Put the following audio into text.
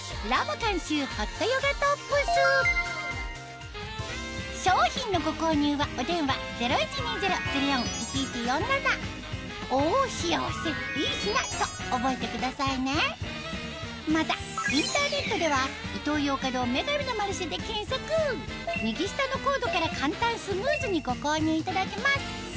監修ホットヨガトップス商品のご購入はお電話０１２０−０４−１１４７と覚えてくださいねまたインターネットでは右下のコードから簡単スムーズにご購入いただけます